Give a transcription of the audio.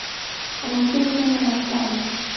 unafikiri china wa watakubali kufanya hivyo ama